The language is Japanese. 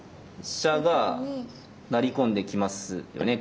飛車が成りこんできますよね。